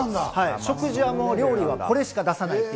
食事はもう、料理はこれしか出さない。